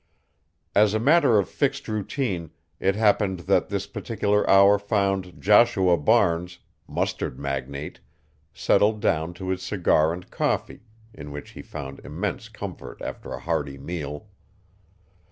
As a matter of fixed routine, it happened that this particular hour found Joshua Barnes, mustard magnate, settled down to his cigar and coffee, in which he found immense comfort after a hearty meal.